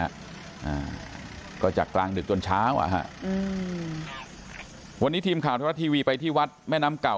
อ่าก็จากกลางดึกจนเช้าอ่ะฮะอืมวันนี้ทีมข่าวไทยรัฐทีวีไปที่วัดแม่น้ำเก่า